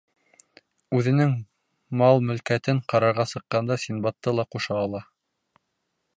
Үҙенең мал-мөлкәтен ҡарарға сыҡҡанда Синдбадты ла ҡуша ала.